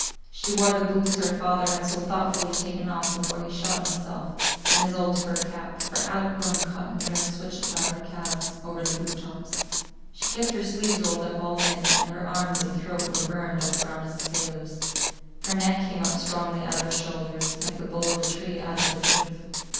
She wore the boots her father had so thoughtfully taken off before he shot himself, and his old fur cap. Her outgrown cotton dress switched about her calves, over the boot tops. She kept her sleeves rolled up all day, and her arms and throat were burned as brown as a sailor's. Her neck came up strongly out of her shoulders, like the bole of a tree out of the turf.